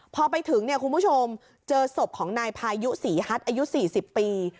พอไปถึงเนี่ยคุณผู้ชมเจอศพของนายพายุศรีฮัทอายุ๔๐ปี